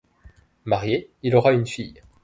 Marié, il aura une fille.